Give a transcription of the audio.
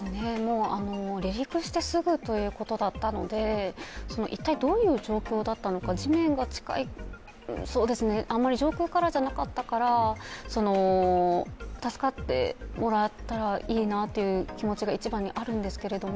離陸してすぐということだったので、一体どういう状況だったのか、地面が近いあまり上空からじゃなかったから助かってもらったらいいなという気持ちが一番にあるんですけど。